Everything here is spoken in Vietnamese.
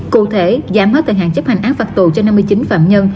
cụ thể giảm mất thời hạn chấp hành án phạt tù cho năm mươi chín phạm nhân